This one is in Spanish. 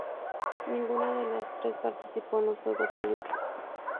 Ninguna de las tres participó en los Juegos Olímpicos.